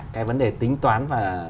cái vấn đề tính toán